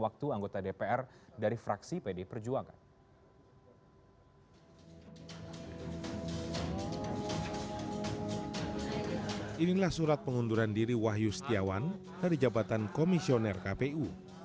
kejabatan komisioner kpu